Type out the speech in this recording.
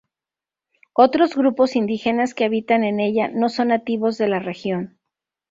Otros grupos indígenas que habitan en ella no son nativos de la región.